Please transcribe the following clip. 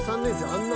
あんな